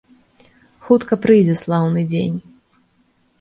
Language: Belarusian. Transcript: Хутка прыйдзе слаўны дзень.